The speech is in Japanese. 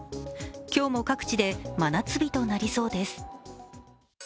今日も各地で真夏日となりそうです。